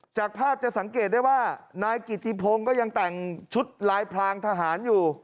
จากภาพจะสังเกตได้ว่านายกิติพงศ์ก็ยังแต่งชุดลายพรางทหารอยู่